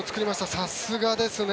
さすがですね。